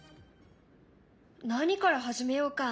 何から始めようか？